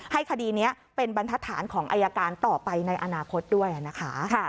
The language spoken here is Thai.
คดีนี้เป็นบรรทฐานของอายการต่อไปในอนาคตด้วยนะคะ